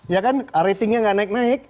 ya kan ratingnya nggak naik naik